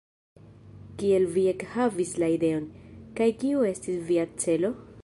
Kiel vi ekhavis la ideon, kaj kiu estis via celo?